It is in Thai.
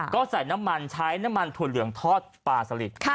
ก็ใส่น้ำมันใช้น้ำมันถั่วเหลืองทอดปลาสลิด